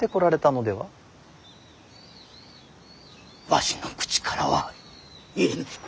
わしの口からは言えぬ。